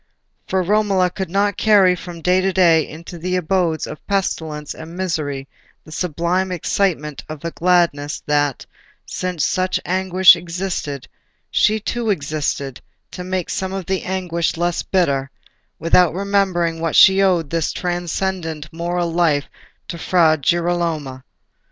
For Romola could not carry from day to day into the abodes of pestilence and misery the sublime excitement of a gladness that, since such anguish existed, she too existed to make some of the anguish less bitter, without remembering that she owed this transcendent moral life to Fra Girolamo.